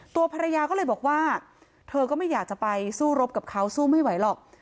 ตัวภรรยาก็เลยบอกว่าเธอก็ไม่อยากจะไปสู้รบกับเขาสู้ไม่ไหวหรอก